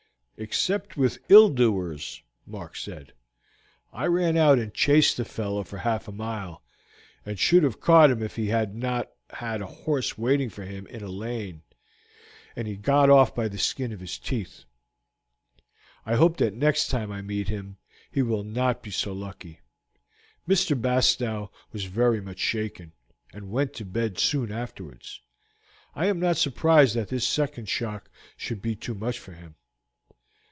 "Except with ill doers," Mark said. "I ran out and chased the fellow for half a mile, and should have caught him if he had not had a horse waiting for him in a lane, and he got off by the skin of his teeth. I hope that next time I meet him he will not be so lucky. Mr. Bastow was very much shaken, and went to bed soon afterwards. I am not surprised that this second shock should be too much for him.